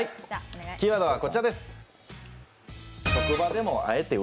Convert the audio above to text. キーワードはこちらです。